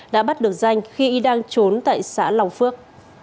đã bắt được danh khi đang trốn tại xã lòng phước